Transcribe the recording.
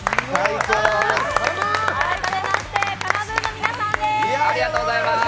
改めましてＫＡＮＡ−ＢＯＯＮの皆さんです。